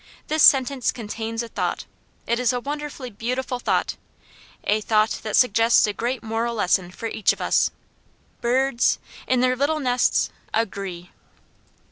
This sentence contains a Thought. It is a wonderfully beautiful Thought. A Thought that suggests a great moral lesson for each of us. 'Birrrds in their little nests agreeee.'"